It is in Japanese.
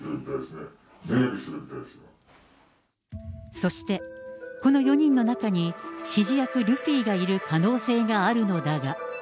そして、この４人の中に、指示役ルフィがいる可能性があるのだが。